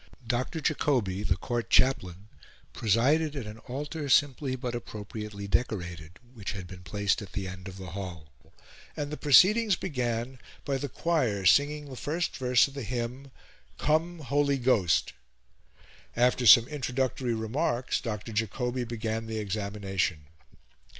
Dr. Jacobi, the Court chaplain, presided at an altar, simply but appropriately decorated, which had been placed at the end of the hall; and the proceedings began by the choir singing the first verse of the hymn, "Come, Holy Ghost." After some introductory remarks, Dr. Jacobi began the examination.